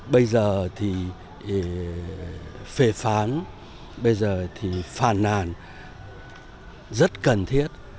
bây giờ thì phê phán bây giờ thì phàn nàn rất cần thiết